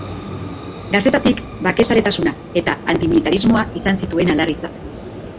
Gaztetatik bakezaletasuna eta antimilitarismoa izan zituen aldarritzat.